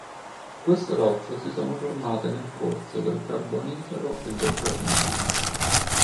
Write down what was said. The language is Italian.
Queste rocce si sono formate nel corso del Carbonifero e del Permiano.